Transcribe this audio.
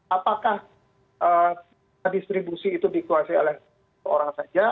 apakah distribusi itu dikuasai oleh orang saja